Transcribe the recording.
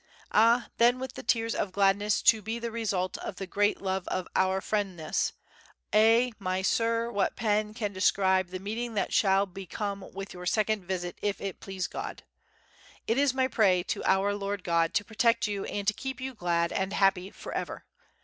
Ah then with the tears of gladness to be the result of the great love of our friendness A my Sir what pen can describe the meeting that shall be come with your second visit if it please God. It is my pray to Our Lord God to protect you and to keep you glad and happy for ever.